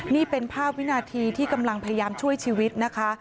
นี่เป็นภาพวินาทีที่กำลังพยายามช่วยชีวิตนะคะ